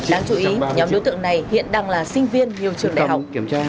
đáng chú ý nhóm đối tượng này hiện đang là sinh viên nhiều trường đại học